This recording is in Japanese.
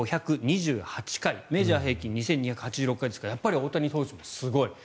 メジャー平均２２８６回ですからやっぱり大谷投手もすごい。